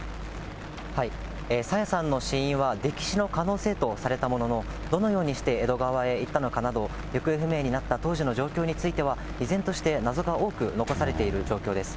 朝芽さんの死因は溺死の可能性とされたものの、どのようにして江戸川へ行ったのかなど、行方不明になった当時の状況については、依然として謎が多く残されている状況です。